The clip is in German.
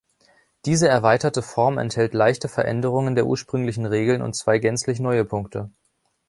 Diese erweiterte Form enthält leichte Veränderungen der ursprünglichen Regeln und zwei gänzlich neue Punkte.